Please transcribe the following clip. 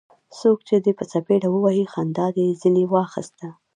څوک چي دي په څپېړه ووهي؛ خندا دي ځني واخسته.